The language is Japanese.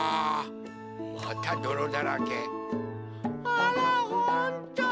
あらほんと。